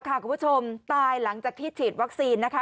คุณผู้ชมตายหลังจากที่ฉีดวัคซีนนะคะ